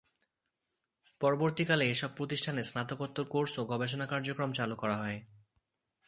পরবর্তীকালে এসব প্রতিষ্ঠানে স্নাতকোত্তর কোর্স ও গবেষণা কার্যক্রম চালু করা হয়।